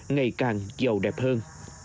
ngày càng giàu đẹp hơn